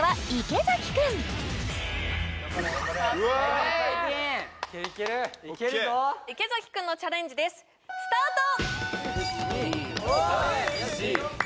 池君のチャレンジですスタート！